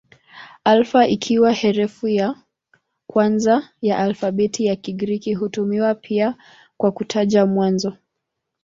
Alfa ikiwa herufi ya kwanza ya alfabeti ya Kigiriki hutumiwa pia kwa kutaja mwanzo.